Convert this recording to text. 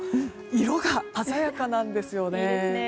色が鮮やかなんですよね。